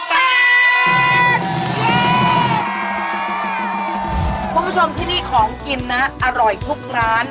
คุณผู้ชมที่นี่ของกินนะอร่อยทุกร้าน